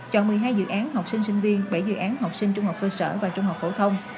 chọn một mươi hai dự án học sinh sinh viên bảy dự án học sinh trung học cơ sở và trung học phổ thông